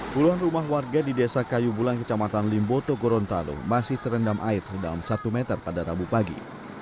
puluhan rumah warga di desa kayu bulan kecamatan limboto gorontalo masih terendam air sedalam satu meter pada rabu pagi